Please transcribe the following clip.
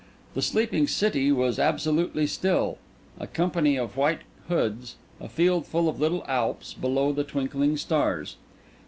The sleeping city was absolutely still: a company of white hoods, a field full of little Alps, below the twinkling stars.